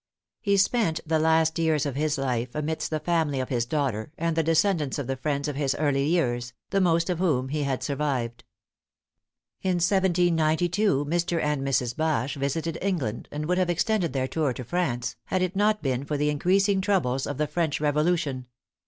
He spent the last years of his life amidst the family of his daughter and the descendants of the friends of his early years, the most of whom he had survived. In 1792 Mr. and Mrs. Bache visited England, and would have extended their tour to France, had it not been for the increasing troubles of the French Revolution.